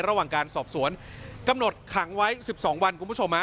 ระหว่างการสอบสวนกำหนดขังไว้๑๒วันคุณผู้ชมฮะ